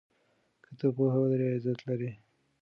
که ته پوهه ولرې عزت لرې.